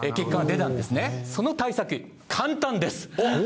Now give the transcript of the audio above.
その対策簡単です！